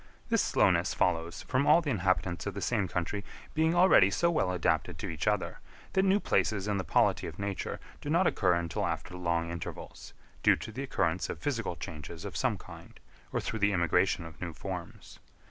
This slowness follows from all the inhabitants of the same country being already so well adapted to each other, that new places in the polity of nature do not occur until after long intervals, due to the occurrence of physical changes of some kind, or through the immigration of new forms.